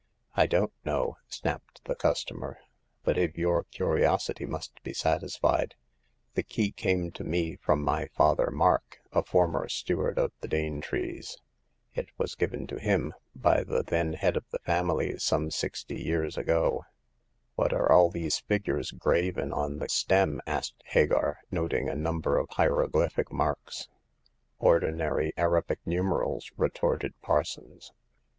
I don't know," snapped the customer ;" but if your curiosity must be satisfied, the key came to me from my father Mark, a former steward of the Danetrees. It was given to him by the then head of the family some sixty years ago." "What are all these figures graven on the The Fifth Customer. 133 stem ?" asked Hagar, noting a number of hiero glyphic marks. Ordinary Arabic numerals/' retorted Par sons.